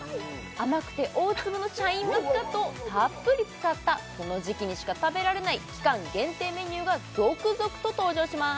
甘くて大粒のシャインマスカットをたっぷり使ったこの時期にしか食べられない期間限定メニューが続々と登場します